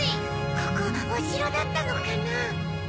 ここおしろだったのかな？